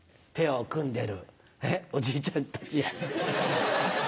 ペアを組んでるおじいちゃんたちや。